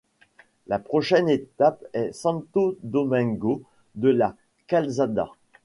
La prochaine étape est Santo Domingo de la Calzada.